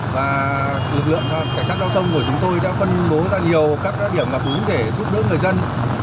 và lực lượng cảnh sát giao thông của chúng tôi đã phân bố ra nhiều các điểm ngập úng để giúp đỡ người dân